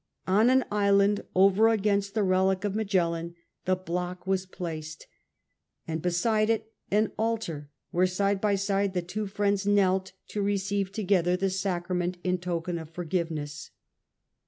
On an island over against the relic of Magellan the block was placed, and beside it an altar where side by side the two friends knelt to receive together the Sacrament in token of forgiveness.